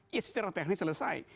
ya secara teknis selesai